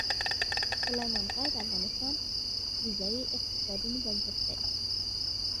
سلیمان غر د افغانستان د ځایي اقتصادونو بنسټ دی.